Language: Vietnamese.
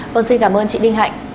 vâng xin cảm ơn chị đinh hạnh